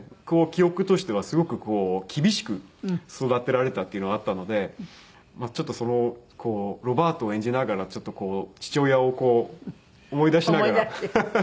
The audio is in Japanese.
記憶としてはすごく厳しく育てられたっていうのはあったのでちょっとロバートを演じながらちょっと父親をこう思い出しながらハハ。